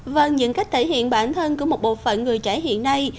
vâng những cách thể hiện bản thân của một bộ phận người trẻ hiện nay